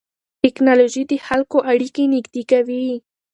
ټیکنالوژي د خلکو اړیکې نږدې کوي.